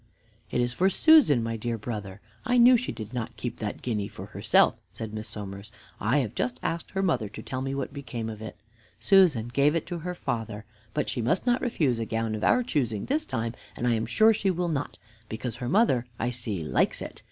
"It is for Susan, my dear brother. I knew she did not keep that guinea for herself," said Miss Somers. "I have just asked her mother to tell me what became of it. Susan gave it to her father; but she must not refuse a gown of our choosing this time; and I am sure she will not, because her mother, I see, likes it.